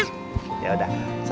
saatnya ajak mama ya